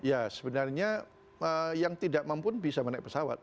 ya sebenarnya yang tidak mampu bisa menaik pesawat